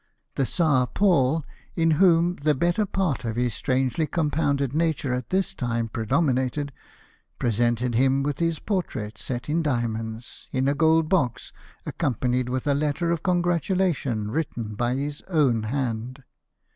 The Czar Paul, in whom the better part of his strangely compounded nature at this time pre dominated, presented him with his portrait, set in diamonds, in a gold box, accompanied with a letter of congratulation written by his own hand.